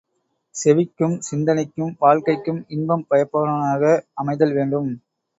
செவிக்கும் சிந்தனைக்கும் வாழ்க்கைக்கும் இன்பம் பயப்பனவாக அமைதல் வேண்டும்.